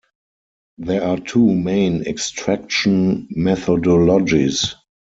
There are two main extraction methodologies.